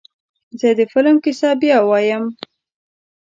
زه د فلم کیسه بیا وایم.